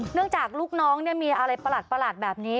จากลูกน้องมีอะไรประหลาดแบบนี้